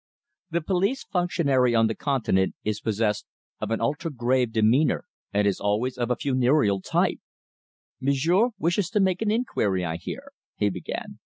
The police functionary on the continent is possessed of an ultra grave demeanour, and is always of a funereal type. "M'sieur wishes to make an inquiry, I hear?" he began.